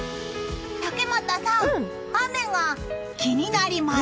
竹俣さん、雨が気になります！